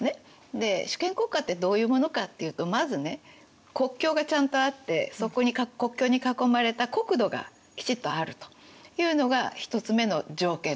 で主権国家ってどういうものかっていうとまずね国境がちゃんとあってそこに国境に囲まれた国土がきちっとあるというのが１つ目の条件です。